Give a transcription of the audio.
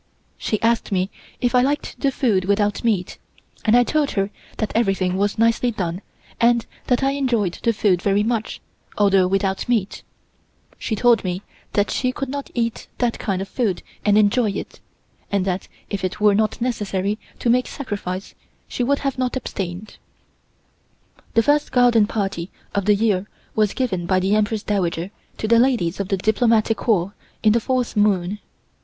She asked me if I liked the food without meat, and I told her that everything was nicely done and that I enjoyed the food very much, although without meat. She told me that she could not eat that kind of food and enjoy it, and that if it were not necessary to make sacrifice she would not have abstained. The first garden party of the year was given by the Empress Dowager to the ladies of the Diplomatic Corps, in the fourth moon.